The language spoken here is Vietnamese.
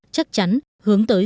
chắc chắn hướng tới